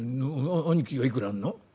兄貴はいくらあんの？」。